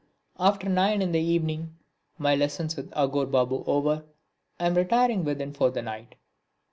After nine in the evening, my lessons with Aghore Babu over, I am retiring within for the night.